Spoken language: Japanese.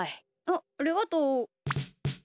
あっありがとう。